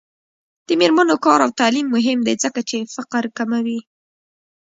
د میرمنو کار او تعلیم مهم دی ځکه چې فقر کموي.